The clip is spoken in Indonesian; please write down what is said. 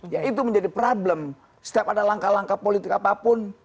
ya itu menjadi problem setiap ada langkah langkah politik apapun